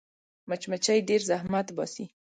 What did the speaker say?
مچمچۍ ډېر زحمت باسي